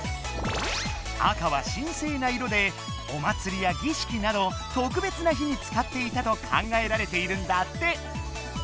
赤は神聖な色でお祭りや儀式などとくべつな日につかっていたと考えられているんだって。